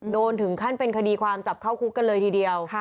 ถึงขั้นเป็นคดีความจับเข้าคุกกันเลยทีเดียว